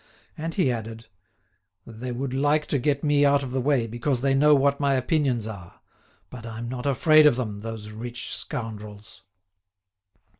And he added: "They would like to get me out of the way because they know what my opinions are. But I'm not afraid of them, those rich scoundrels."